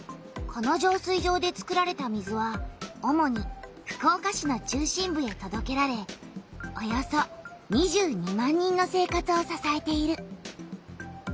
この浄水場で作られた水はおもに福岡市の中心部へとどけられおよそ２２万人の生活をささえている。